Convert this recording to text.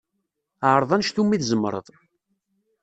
Ɛreḍ anect umi tzemreḍ.